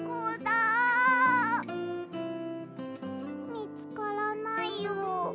みつからないよ。